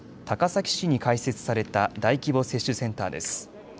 高崎市に開設された大規模接種センターです。